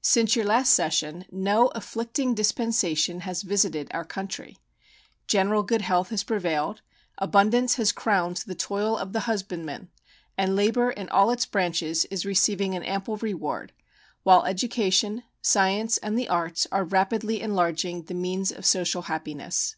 Since your last session no afflicting dispensation has visited our country. General good health has prevailed, abundance has crowned the toil of the husbandman, and labor in all its branches is receiving an ample reward, while education, science, and the arts are rapidly enlarging the means of social happiness.